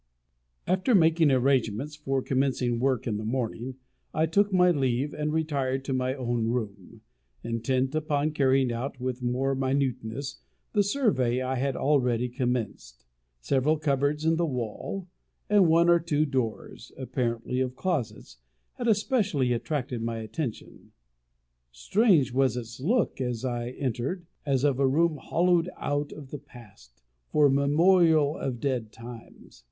_ After making arrangements for commencing work in the morning, I took my leave, and retired to my own room, intent upon carrying out with more minuteness the survey I had already commenced: several cupboards in the wall, and one or two doors, apparently of closets, had especially attracted my attention. Strange was its look as I entered as of a room hollowed out of the past, for a memorial of dead times.